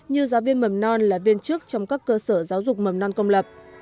như giáo viên mầm non là viên chức trong các cơ sở giáo dục mầm non công lập